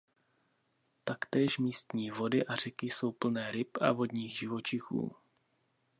Taktéž místní vody a řeky jsou plné ryb a vodních živočichů.